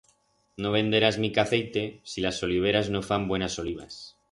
No venderás mica d'aceite si las oliveras no fan buenas olivas.